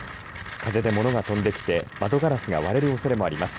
風で物が飛んできて窓ガラスが割れるおそれもあります。